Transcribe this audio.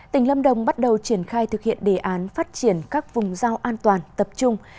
tỉnh lâm đồng bắt đầu triển khai thực hiện đề án phát triển các vùng giao an toàn tập trung